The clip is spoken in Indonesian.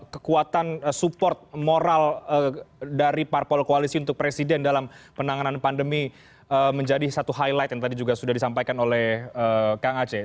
kekuatan support moral dari parpol koalisi untuk presiden dalam penanganan pandemi menjadi satu highlight yang tadi juga sudah disampaikan oleh kang aceh